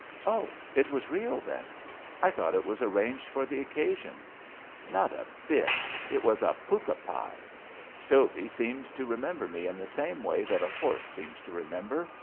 Oh, it was real, then. I thought it was ar ranged for the occasion." *^ Not a bit. It was a pukka pi. Stovey seemed to remember me in the same way that a horse seems to remember.